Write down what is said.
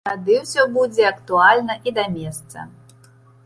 І тады ўсё будзе актуальна і да месца.